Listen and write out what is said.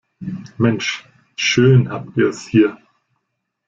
Mensch, schön habt ihr es hier!